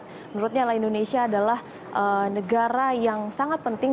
menurutnya adalah indonesia adalah negara yang sangat penting